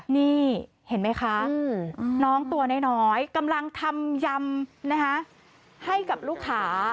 นี่เห็นไหมคะน้องตัวน้อยกำลังทำยำให้กับลูกค้า